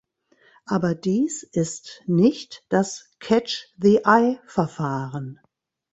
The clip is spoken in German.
Aber dies ist nicht das "catch the eye"Verfahren.